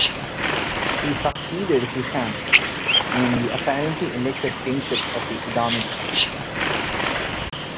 He succeeded Husham in the apparently elective kingship of the Edomites.